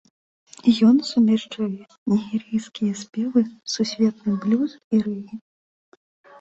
Ён сумяшчае нігерыйскія спевы, сусветны блюз і рэгі.